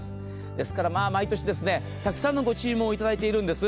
ですから毎年、たくさんのご注文をいただいているんです。